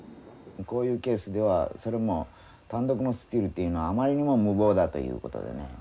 こういうケースではそれも単独のスチールっていうのはあまりにも無謀だということでね。